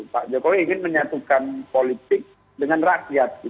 pak jokowi ingin menyatukan politik dengan rakyat